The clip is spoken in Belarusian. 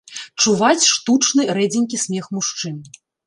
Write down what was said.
Чуваць штучны рэдзенькі смех мужчын.